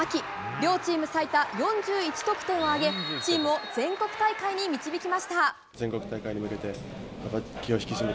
両チーム最多４１得点を挙げチームを全国大会に導きました。